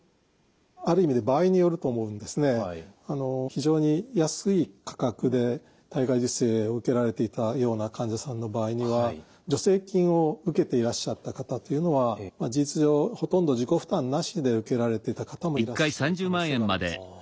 非常に安い価格で体外受精を受けられていたような患者さんの場合には助成金を受けていらっしゃった方というのは事実上ほとんど自己負担なしで受けられてた方もいらっしゃる可能性があります。